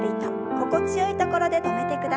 心地よいところで止めてください。